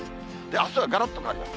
あすはがらっと変わります。